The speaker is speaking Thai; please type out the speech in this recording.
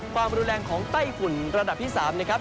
ความรุนแรงของไต้ฝุ่นระดับที่๓นะครับ